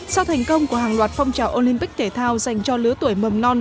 sau thành công của hàng loạt phong trào olympic thể thao dành cho lứa tuổi mầm non